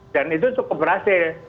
dan itu cukup berhasil